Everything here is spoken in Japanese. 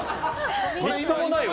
みっともないわ！